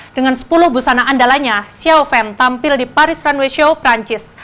dengan sepuluh busana andalanya xiao van tampil di paris runway show perancis